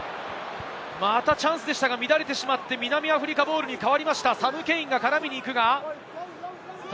チャンスでしたが乱れてしまって、南アフリカボールに変わりました。